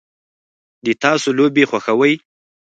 د تاسو لوبې خوښوئ؟